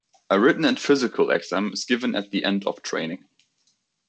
A written and physical exam is given at the end of training.